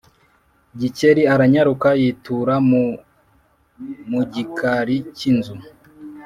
Gikeli aranyaruka yitura mu mugikari cy’inzu